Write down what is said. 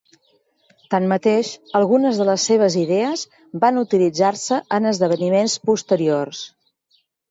Tanmateix, algunes de les seves idees van utilitzar-se en esdeveniments posteriors.